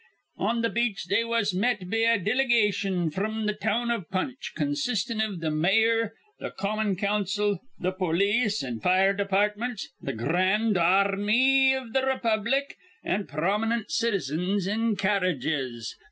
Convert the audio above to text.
On th' beach they was met be a diligation fr'm th' town of Punch, con sistin' iv th' mayor, th' common council, th' polis an' fire departments, th' Gr rand Ar rmy iv th' Raypublic, an' prominent citizens in carredges.